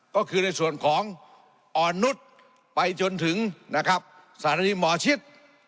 ก็คือในส่วนของอ่อนนุษย์ไปจนถึงนะครับสถานีหมอชิด